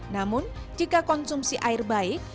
namun jika konsumsi air baik